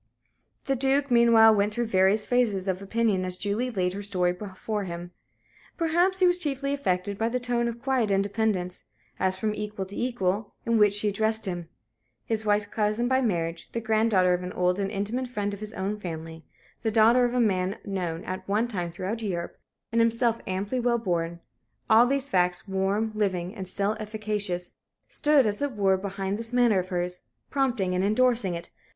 The Duke meanwhile went through various phases of opinion as Julie laid her story before him. Perhaps he was chiefly affected by the tone of quiet independence as from equal to equal in which she addressed him. His wife's cousin by marriage; the granddaughter of an old and intimate friend of his own family; the daughter of a man known at one time throughout Europe, and himself amply well born all these facts, warm, living, and still efficacious, stood, as it were, behind this manner of hers, prompting and endorsing it.